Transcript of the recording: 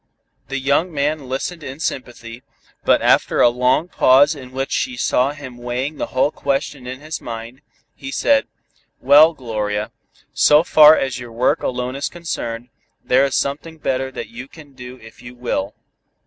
The young man listened in sympathy, but after a long pause in which she saw him weighing the whole question in his mind, he said: "Well, Gloria, so far as your work alone is concerned, there is something better that you can do if you will.